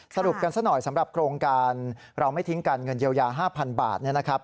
สรุปกันซะหน่อยสำหรับโครงการเราไม่ทิ้งกันเงินเยียวยา๕๐๐๐บาทนะครับ